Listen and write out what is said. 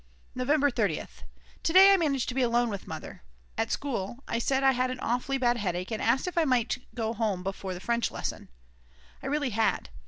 November 30th. To day I managed to be alone with Mother. At school I said I had an awfully bad headache and asked if I might go home before the French lesson; I really had.